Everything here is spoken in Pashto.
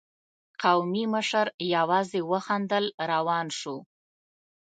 قومي مشر يواځې وخندل، روان شو.